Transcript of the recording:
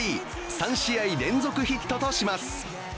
３試合連続ヒットとします。